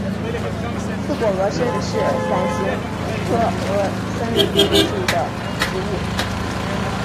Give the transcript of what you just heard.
刺果峨参是伞形科峨参属的植物。